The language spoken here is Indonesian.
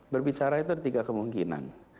berbicara itu ada tiga kemungkinan